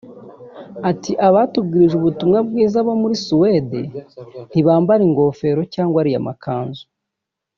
Ati “Abatubwirije ubutumwa bwiza bo muri ‘Suède’ ntibambara ingofero cyangwa ariya makanzu